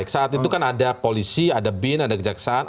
saat itu kan ada polisi ada bin ada kejaksaan